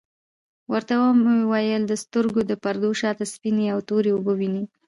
ورته ومي ویل د سترګو د پردو شاته سپیني او توری اوبه وینې ؟